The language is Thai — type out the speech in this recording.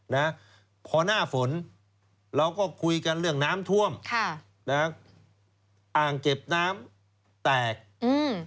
นะพอหน้าฝนเราก็คุยกันเรื่องน้ำท่วมค่ะนะอ่างเก็บน้ำแตกอืม